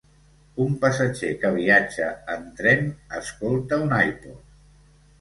Un passatger que viatja en tren escolta un iPod.